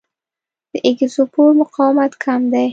د اګزوسپور مقاومت کم دی.